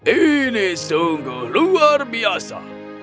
ini sungguh luar biasa